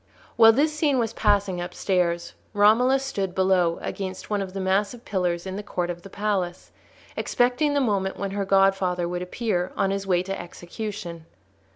While this scene was passing upstairs Romola stood below against one of the massive pillars in the court of the palace, expecting the moment when her godfather would appear, on his way to execution.